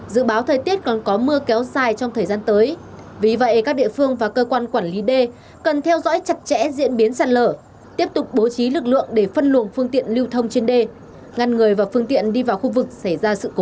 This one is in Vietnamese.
dự báo thời tiết còn có mưa kéo dài trong thời gian tới vì vậy các địa phương và cơ quan quản lý đê cần theo dõi chặt chẽ diễn biến sạt lở tiếp tục bố trí lực lượng để phân luồng phương tiện lưu thông trên đê ngăn người và phương tiện đi vào khu vực xảy ra sự cố